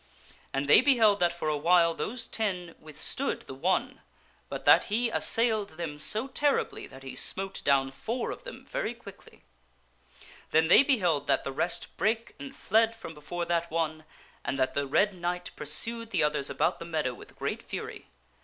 And they beheld that for a while those ten withstood the a very singular one b ut that he assailed them so terribly that he smote assault at arms. ,...', down four of them very quickly. Then they beheld that the rest brake and fled from before that one, and that the Red Knight pur sued the others about the meadow with great fury.